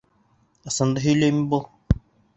Ысынды һөйләйме был?